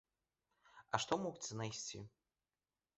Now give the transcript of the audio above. А што могуць знайсці?!.